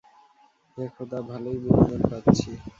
হে খোদা, ভালোই বিনোদন পাচ্ছি।